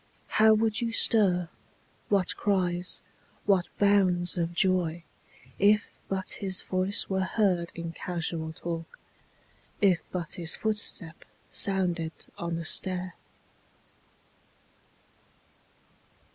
How would you stir, what cries, what bounds of joy. If but his voice were heard in casual talk. If but his footstep sounded on the stair!